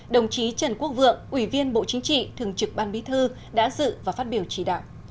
đồng chí trần quốc vượng ủy viên bộ chính trị thường trực ban bí thư đã dự và phát biểu chỉ đạo